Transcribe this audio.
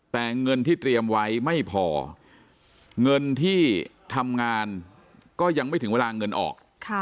แต่เงินที่เตรียมไว้ไม่พอเงินที่ทำงานก็ยังไม่ถึงเวลาเงินออก